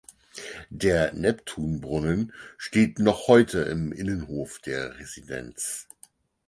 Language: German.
Der "Neptun-Brunnen" steht noch heute im Innenhof der Residenz.